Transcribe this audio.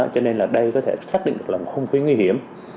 cho nên là đây có thể xác định được là một khung khí nguy hiểm